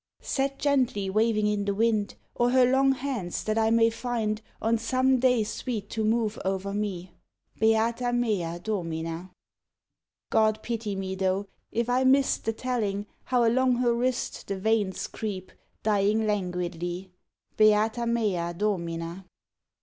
Set gently waving in the wind; Or her long hands that I may find On some day sweet to move o'er me? Beata mea Domina! God pity me though, if I miss'd The telling, how along her wrist The veins creep, dying languidly _Beata mea Domina!